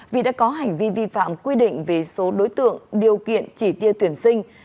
vì đã có hành vi vi phạm quy định về số đối tượng điều kiện chỉ tiêu tuyển sinh